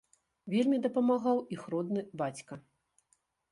Вельмі дапамагаў іх родны бацька.